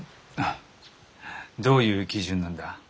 あどういう基準なんだ？